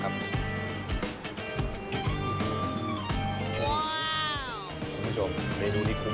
คุณผู้ชมเมนูนี้คุ้มมาก